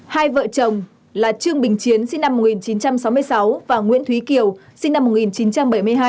hai vợ chồng là trương bình chiến sinh năm một nghìn chín trăm sáu mươi sáu và nguyễn thúy kiều sinh năm một nghìn chín trăm bảy mươi hai